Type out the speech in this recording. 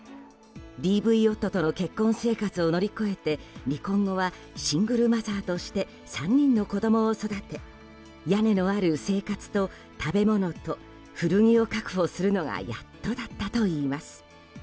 ＤＶ夫との結婚生活を乗り越えて離婚後はシングルマザーとして３人の子供を育て屋根のある生活と食べ物と古着を確保するのがやっとだったといいます。